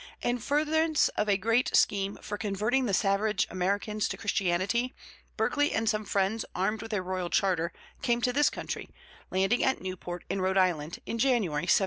In furtherance of a great scheme for "converting the savage Americans to Christianity", Berkeley and some friends, armed with a royal charter, came to this country, landing at Newport in Rhode Island in January, 1729.